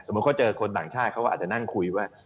เขาเจอคนต่างชาติเขาก็อาจจะนั่งคุยว่า